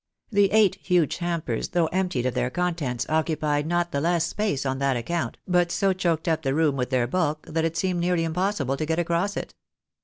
The eight huge hampers, though emptied of their contents, occupied not the less space on that account, but so choked up the room with their bulk, that it seemed nearly impossible to get across it.